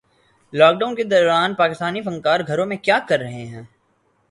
lock Dawn کے دوران پاکستانی فنکار گھروں میں کیا کررہے ہیں